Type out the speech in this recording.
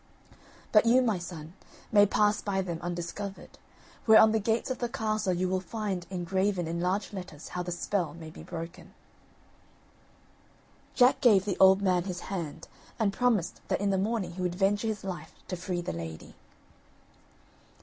But you, my son, may pass by them undiscovered, where on the gates of the castle you will find engraven in large letters how the spell may be broken." Jack gave the old man his hand, and promised that in the morning he would venture his life to free the lady.